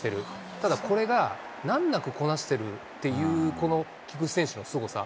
ただ、これが難なくこなしてるっていう、この菊池選手のすごさ。